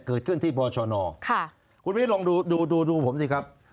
เกิดขึ้นที่บชนคุณวิทย์ลองดูดูดูผมสิครับ